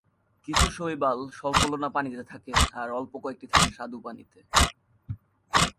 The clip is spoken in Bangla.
কিছু শৈবাল স্বল্পলোনা পানিতে থাকে আর অল্প কয়েকটি থাকে স্বাদুপানিতে।